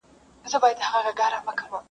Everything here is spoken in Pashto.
o چي ژوندی یم زما به یاد يې میرهاشمه,